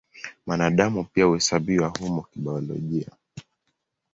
Mwanadamu pia huhesabiwa humo kibiolojia.